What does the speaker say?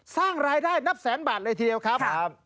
สร้างรายได้นับแสนบาทเลยทีเดียวครับ